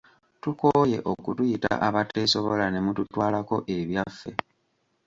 Tukooye okutuyita abateesobola ne mututwalako ebyaffe